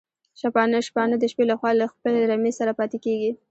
شپانه د شپې لخوا له خپلي رمې سره پاتي کيږي